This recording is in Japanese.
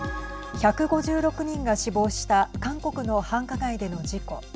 １５６人が死亡した韓国の繁華街での事故。